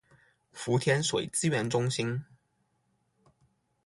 福田水資源中心